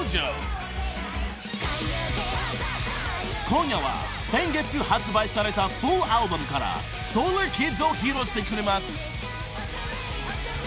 ［今夜は先月発売されたフルアルバムから『ＳＯＬＡＲＫＩＤＳ』を披露してくれます］